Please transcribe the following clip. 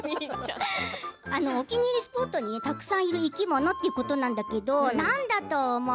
お気に入りのスポットにたくさんいる生き物ということなんだけど、なんだと思う？